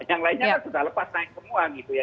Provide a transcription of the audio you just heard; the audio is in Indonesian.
yang lainnya kan sudah lepas naik semua gitu ya